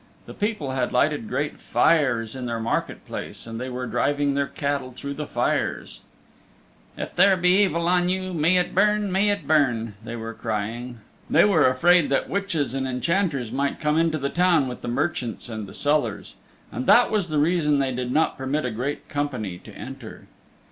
The people had lighted great fires in their market place and they were driving their cattle through the fires: "If there be evil on you, may it burn, may it burn," they were crying. They were afraid that witches and enchanters might come into the town with the merchants and the sellers, and that was the reason they did not permit a great company to enter.